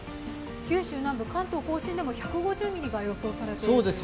九州南部、関東甲信でも１５０ミリが予想されています。